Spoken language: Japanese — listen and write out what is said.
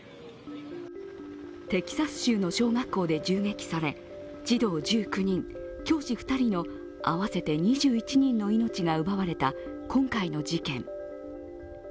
テキサス州の小学校で銃撃され、児童１９人、教師２人の合わせて２１人の命が奪われた今回の事件。